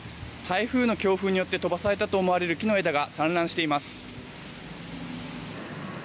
台風の強風によって飛ばされたと思われる木の枝が散乱しています。